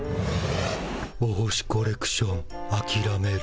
お星コレクションあきらめる？